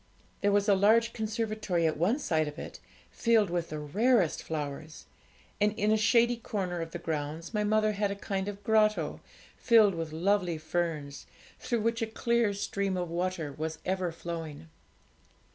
There was a large conservatory at one side of it, filled with the rarest flowers, and in a shady corner of the grounds my mother had a kind of grotto, filled with lovely ferns, through which a clear stream of water was ever flowing.